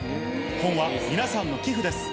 本は皆さんの寄付です。